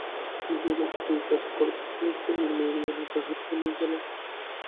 এ ঘরে কি কাজ করিতেছিলেন, টুনির মায়ের গলা তাহার কানে গেল।